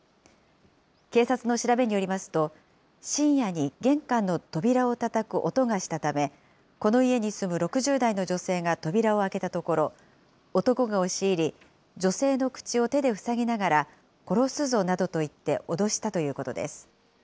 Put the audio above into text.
警察の調べによりますと、深夜に玄関の扉をたたく音がしたため、この家に住む６０代の女性が扉を開けたところ、男が押し入り、女性の口を手でふさぎながら殺すぞなどと言って脅したということです。